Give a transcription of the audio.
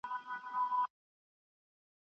موږ بايد د سياست په اړه علمي ميتود ولرو.